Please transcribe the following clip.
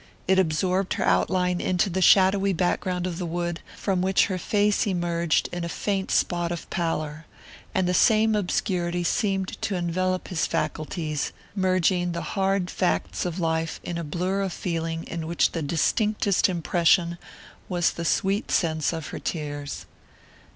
It absorbed her outline into the shadowy background of the wood, from which her face emerged in a faint spot of pallor; and the same obscurity seemed to envelop his faculties, merging the hard facts of life in a blur of feeling in which the distinctest impression was the sweet sense of her tears.